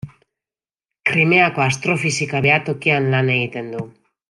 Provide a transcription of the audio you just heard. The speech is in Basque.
Krimeako Astrofisika Behatokian lan egiten du.